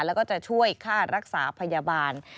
แล้วก็จะช่วยค่ารักษาพยาบาล